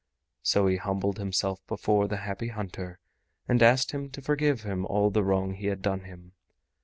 So he humbled himself before the Happy Hunter and asked him to forgive him all the wrong he had done him.